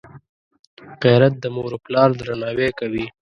غیرت د موروپلار درناوی کوي